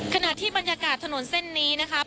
ขณะที่บรรยากาศถนนเส้นนี้นะครับ